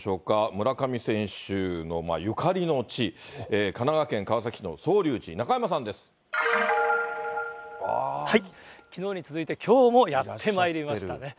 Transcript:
村上選手のゆかりの地、神奈川県川崎市の宗隆寺、きのうに続いて、きょうもやってまいりましたね。